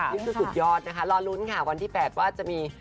นี่คือสุดยอดนะคะรอลุ้นค่ะวันที่๘ว่าจะมี